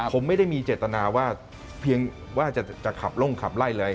ผมไม่ได้มีเจตนาว่าเพียงว่าจะขับลงขับไล่เลย